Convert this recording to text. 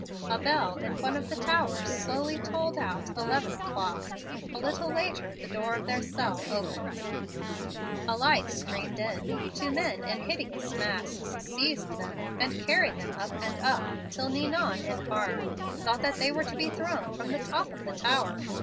A bell in one of the towers slowly tolled out eleven o'clock. A little later the door of their cell opened, and light streamed in. Two men in hideous masks seized them, and carried them up and up, till Ninon, in horror, thought that they were to be thrown from the top of the tower.